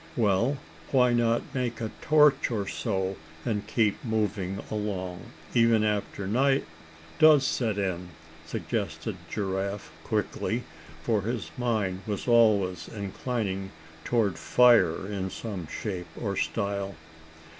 "Well, why not make a torch or so, and keep moving along, even after night does set in," suggested Giraffe, quickly, for his mind was always inclining toward fire in some shape or style.